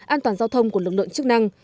an toàn giao thông của lực lượng chức năng